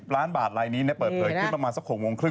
ล้านบาทลายนี้เปิดเผยขึ้นประมาณสัก๖โมงครึ่ง